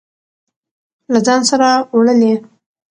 له ځان سره وړلې.